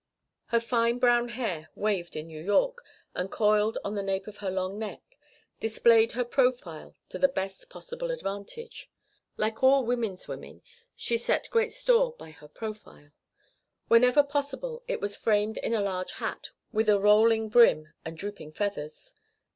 Her fine brown hair, waved in New York, and coiled on the nape of her long neck, displayed her profile to the best possible advantage; like all women's women she set great store by her profile. Whenever possible it was framed in a large hat with a rolling brim and drooping feathers.